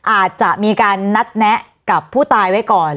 อาจจะมีการนัดแนะกับผู้ตายไว้ก่อน